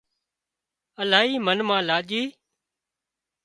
الاهي منَ مان لاڄي